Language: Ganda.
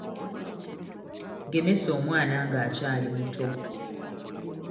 Gemesa omwana ng'akyali muto.